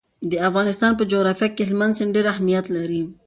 د افغانستان په جغرافیه کې هلمند سیند ډېر اهمیت لري.